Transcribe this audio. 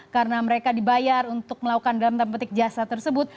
karena mereka dibayar untuk melakukan dalam tanda petik jasa tersebut